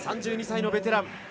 ３２歳のベテラン。